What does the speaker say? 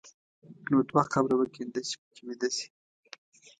نو دوه قبره وکینده چې په کې ویده شې.